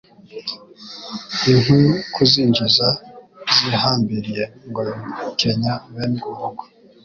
inkwi kuzinjiza zihambiriye ngo bikenya bene urugo